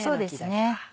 そうですね。